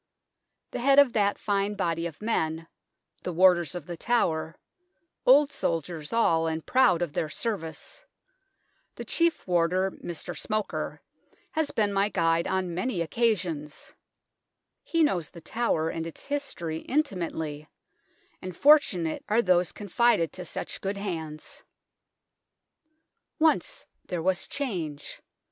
The head of that fine body of men, the Warders of the Tower old soldiers all, and proud of their service the Chief Warder (Mr. Smoker) has been my guide on many occasions ; he knows The Tower and its history intimately, and fortu nate are those confided to such good hands. Once there was change.